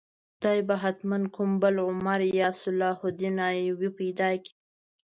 خدای به حتماً کوم بل عمر یا صلاح الدین ایوبي پیدا کړي.